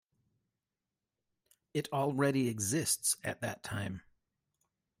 It already exists at that time.